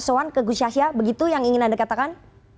soan ke gus yahya begitu yang ingin anda katakan